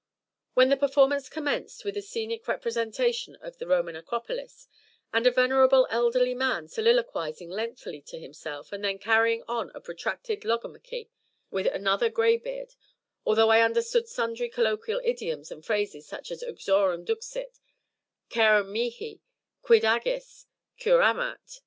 When the performance commenced with a scenic representation of the Roman Acropolis, and a venerable elderly man soliloquising lengthily to himself, and then carrying on a protracted logomachy with another greybeard although I understood sundry colloquial idioms and phrases such as "uxorem duxit," "carum mihi," "quid agis?" "_cur amat?